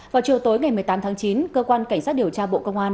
vào chiều tối ngày một mươi tám tháng chín cơ quan cảnh sát điều tra bộ công an